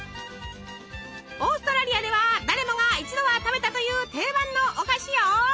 オーストラリアでは誰もが一度は食べたという定番のお菓子よ。